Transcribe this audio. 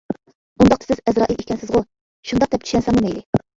-ئۇنداقتا سىز ئەزرائىل ئىكەنسىزغۇ؟ -شۇنداق دەپ چۈشەنسەڭمۇ مەيلى.